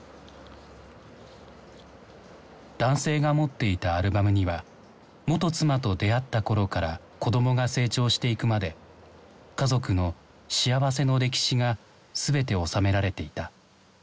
男性が持っていたアルバムには元妻と出会った頃から子どもが成長していくまで家族の幸せの歴史が全て収められていた。